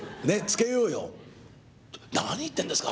「何言ってるんですか？